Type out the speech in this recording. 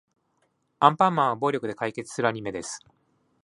アンパンマンは暴力で解決するアニメです。